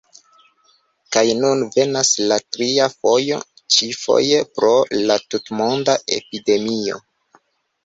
Kaj nun venas la tria fojo, ĉi-foje pro la tutmonda epidemio.